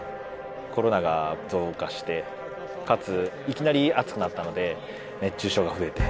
コロナが増加してかついきなり暑くなったので熱中症が増えて。